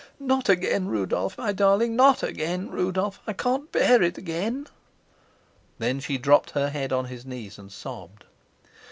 "Not again, Rudolf, my darling! Not again! Rudolf, I can't bear it again." Then she dropped her head on his knees and sobbed.